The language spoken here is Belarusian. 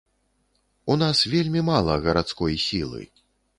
У нас вельмі мала гарадской сілы.